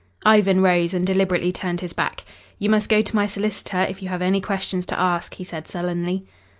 Ivan rose and deliberately turned his back. "You must go to my solicitor if you have any questions to ask," he said sullenly.